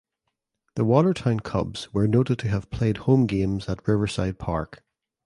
The Watertown Cubs were noted to have played home games at Riverside Park.